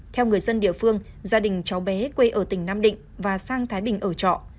theo người dân địa phương gia đình cháu bé quê ở tỉnh nam định và sang thái bình ở trọ